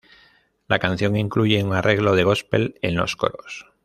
La canción incluye un arreglo de gospel en los coros.